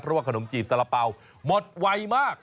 เพราะว่าขนมจีบสารเป๋าหมดไวมาก